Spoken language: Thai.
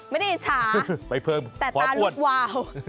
ไม่ได้อิจฉาแต่ตาลูกวาว